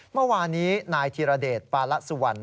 เมื่อวานนี้นายธิรเดชปาละสุวรรณ